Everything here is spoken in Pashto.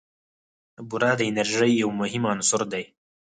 بوره د انرژۍ یو مهم عنصر دی.